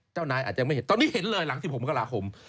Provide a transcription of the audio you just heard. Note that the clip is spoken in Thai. เจ้านายอาจจะไม่เห็นตอนนี้เห็นเลยหลัง๑๖มกราคม